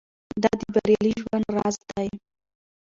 دا د بریالي ژوند راز دی.